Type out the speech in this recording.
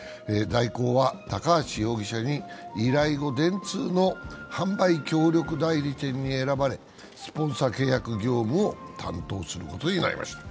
大広は、高橋容疑者に依頼後、電通の販売協力代理店に選ばれ、スポンサー契約業務を担当することになりました。